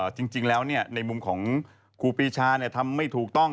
จริงแล้วในมุมของครูปีชาทำไม่ถูกต้อง